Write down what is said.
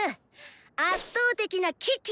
圧倒的な危機！